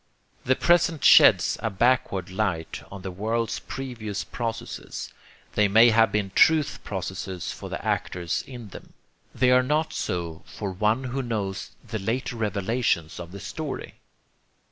The present sheds a backward light on the world's previous processes. They may have been truth processes for the actors in them. They are not so for one who knows the later revelations of the story.